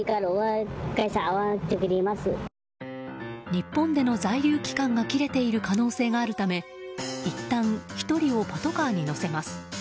日本での在留期間が切れている可能性があるためいったん１人をパトカーに乗せます。